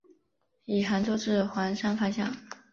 以杭州至黄山方向。